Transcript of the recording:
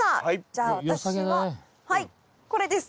じゃあ私はこれです。